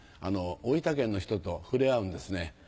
大分県の人と触れ合うんですね。